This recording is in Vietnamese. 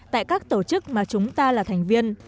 tại các tổ chức mà chúng ta là thành viên